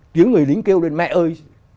tiếng người lính kêu lên mẹ ơi